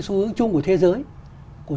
xu hướng chung của thế giới của